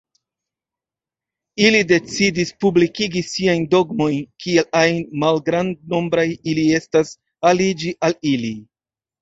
Ili decidis publikigi siajn dogmojn, kiel ajn malgrandnombraj ili estas, aliĝi al ili.